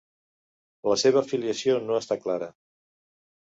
La seva filiació no està clara.